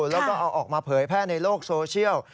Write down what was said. แล้วก็เอาออกมาเผยแพร่ในโลกโซเชียล